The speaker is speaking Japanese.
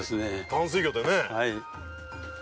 淡水魚でね。